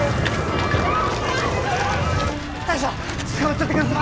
大将つかまっちょってください！